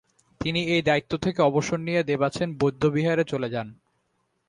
তিনি এই দায়িত্ব থেকে অবসর নিয়ে দেবাছেন বৌদ্ধবিহারে চলে যান।